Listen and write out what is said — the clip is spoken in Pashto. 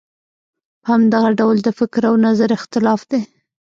په همدغه ډول د فکر او نظر اختلاف دی.